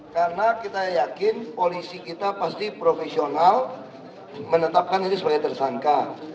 karena kita yakin polisi kita pasti profesional menetapkan ini sebagai tersangka